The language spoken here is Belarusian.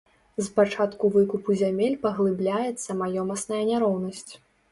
З пачатку выкупу зямель паглыбляецца маёмасная няроўнасць.